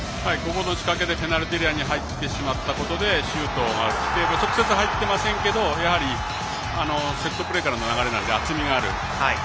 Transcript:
ここの仕掛けでペナルティーエリアに入ってしまったことでシュート直接、入っていますけどやはりセットプレーからの流れなんで厚みがある。